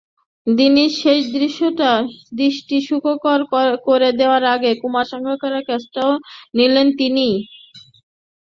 দিনের শেষ দৃশ্যটা দৃষ্টিসুখকর করে দেওয়ার আগে কুমার সাঙ্গাকারার ক্যাচটাও নিয়েছেন তিনিই।